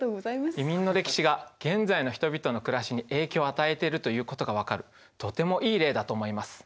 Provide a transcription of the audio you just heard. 移民の歴史が現在の人々の暮らしに影響を与えてるということが分かるとてもいい例だと思います。